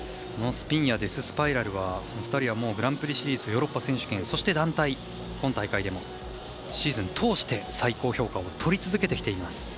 スピンやデススパイラルは２人はグランプリシリーズヨーロッパ選手権そして団体、今大会でもシーズン通して最高評価をとり続けてきています。